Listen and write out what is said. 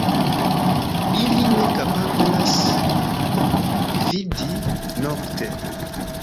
Ili ne kapablas vidi nokte.